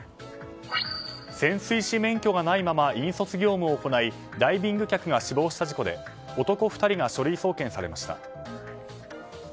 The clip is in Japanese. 潜水士免許がないまま引率業務を行い、ダイビング客が死亡した事故で男２人が書類送検されました。